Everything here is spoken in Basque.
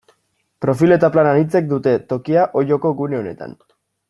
Profil eta plan anitzek dute tokia Olloko gune honetan.